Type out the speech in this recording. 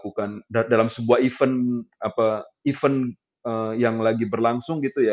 kemudian kita melakukan dalam sebuah event apa event yang lagi berlangsung gitu ya